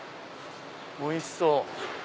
おいしそう！